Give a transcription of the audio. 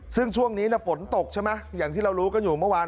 ซึ่งช่วงนี้ฝนตกใช่ไหมอย่างที่เรารู้กันอยู่เมื่อวาน